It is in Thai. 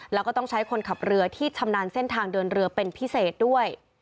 แล้วก็ต้องใช้คนขับเรือที่ชำนาญเส้นทางเดินเรือเป็นพิเศษด้วย